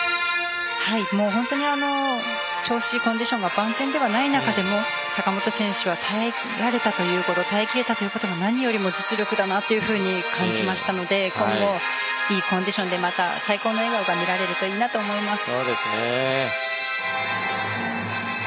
本当に調子コンディションが万全ではない中でも坂本選手は耐えられた耐えきれたということが何よりも実力だなと感じましたので今後、いいコンディションで最高の笑顔が見られるといいなと思います。